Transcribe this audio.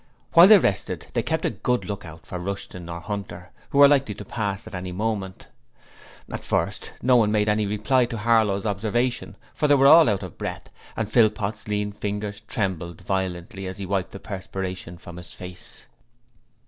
While they rested they kept a good look out for Rushton or Hunter, who were likely to pass by at any moment. At first, no one made any reply to Harlow's observation, for they were all out of breath and Philpot's lean fingers trembled violently as he wiped the perspiration from his face.